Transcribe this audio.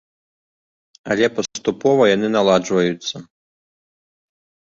Але паступова яны наладжваюцца.